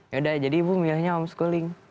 ya udah jadi ibu milihnya homeschooling